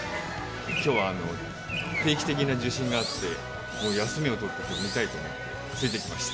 きょうは定期的な受診があって、休みを取って見たいということで、連れて来ました。